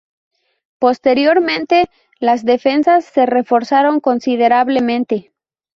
Posteriormente, las defensas se reforzaron considerablemente.